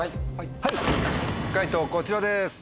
解答こちらです。